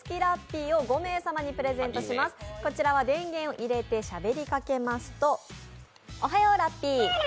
こちらは電源を入れてしゃべりかけますとおはようラッピー。